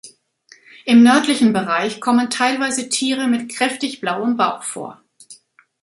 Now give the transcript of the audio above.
Im nördlichen Bereich kommen teilweise Tiere mit kräftig blauem Bauch vor.